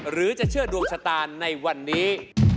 หรือจะเชื่อดวงชะตาในวันนี้